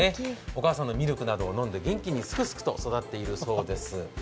お母さんのミルクなどを飲んで元気にすくすくと育っているそうです。